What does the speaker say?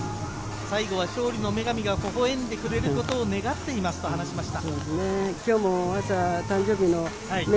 最後は勝利の女神が微笑んでくれることを願っていますと話しました。